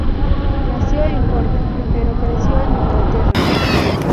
Nació en Cork, pero creció en Inglaterra.